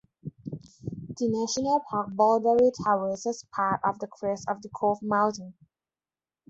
The national park boundary traverses part of the crest of Cove Mountain.